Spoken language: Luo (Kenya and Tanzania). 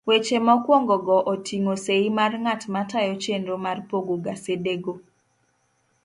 Weche mokwongogo oting'o sei mar ng'at matayo chenro mar pogo gasedego.